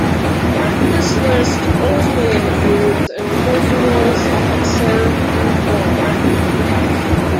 This list only includes individuals who have served in the Quorum.